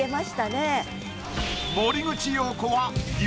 森口瑤子は。